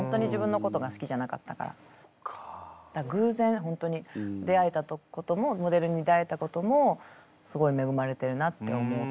偶然本当に出会えたこともモデルに出会えたこともすごい恵まれてるなって思ってます。